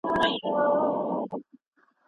تاو د اوسپنې کلا وه اوس هم شته